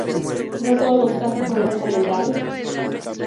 No todos los casos son recomendables.